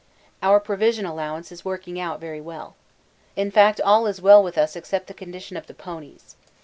Our provision allowance is working out very well. In fact all is well with us except the condition of the ponies.